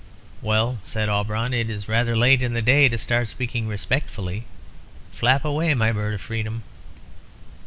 "Well," said Auberon, "it's rather late in the day to start speaking respectfully. Flap away, my bird of freedom."